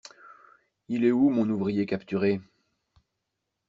Il est où mon ouvrier capturé?